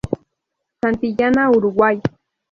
Santillana Uruguay.